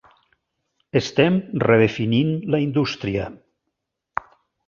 Estem redefinint la indústria.